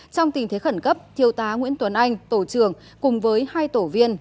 trong tình thế khẩn cấp thiêu tá nguyễn tuấn anh tổ trưởng cùng với hai tổ viên